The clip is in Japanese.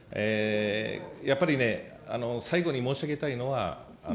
やっぱりね、最後に申し上げたいのは。